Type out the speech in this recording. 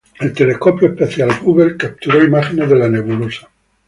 El telescopio espacial Hubble capturó imágenes de la nebulosa.